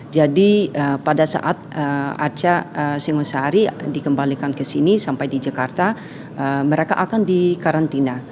jadi pada saat arca singosari dikembalikan ke sini sampai di jakarta mereka akan dikarantina